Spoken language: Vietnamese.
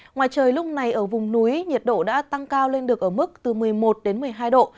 ngoài trời lúc này ở vùng núi nhiệt độ đã tăng cao lên được ở mức từ một mươi một đến một mươi hai độ